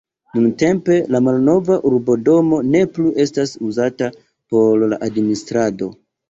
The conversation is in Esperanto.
Nuntempe la malnova urbodomo ne plu estas uzata por la administrado.